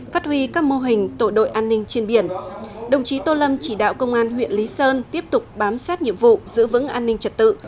phát huy các mô hình tổ đội an ninh trên biển đồng chí tô lâm chỉ đạo công an huyện lý sơn tiếp tục bám sát nhiệm vụ giữ vững an ninh trật tự